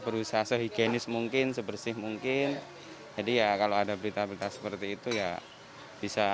berusaha sehigienis mungkin sebersih mungkin jadi ya kalau ada berita berita seperti itu ya bisa